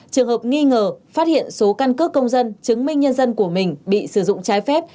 trường hợp nghi ngờ phát hiện số căn cước công dân chứng minh nhân dân của mình bị sử dụng trái phép